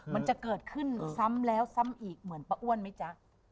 มันจะเกิดขึ้นซ้ำแล้วซ้ำอีกเหมือนป้าอ้วนไหมจ๊ะ